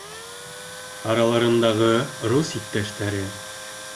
Араларындағы рус иптәштәре: